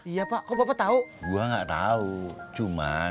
iya pak kok bapak tau